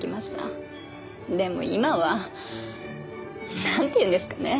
でも今はなんていうんですかねえ。